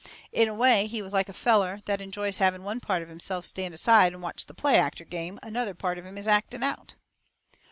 In a way he was like a feller that enjoys having one part of himself stand aside and watch the play actor game another part of himself is acting out.